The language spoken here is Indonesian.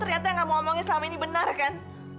ternyata yang kamu omongin selama ini benar kan